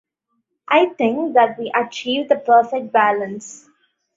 I think that we achieved the perfect balance.